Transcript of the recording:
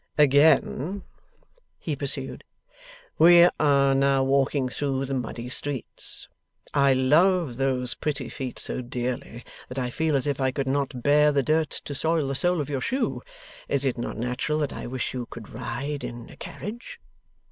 'Again,' he pursued, 'we are now walking through the muddy streets. I love those pretty feet so dearly, that I feel as if I could not bear the dirt to soil the sole of your shoe. Is it not natural that I wish you could ride in a carriage?